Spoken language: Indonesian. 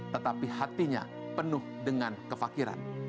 tetapi hatinya penuh dengan kefakiran